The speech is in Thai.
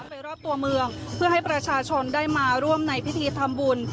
ไปรอบตัวเมืองเพื่อให้ประชาชนได้มาร่วมในพิธีทำบุญ